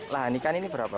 lah ikan ini berapa